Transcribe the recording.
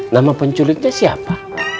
nama penculiknya siapa